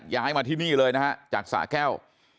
ย้ายมาที่นี่เลยนะฮะจากสะแก้ว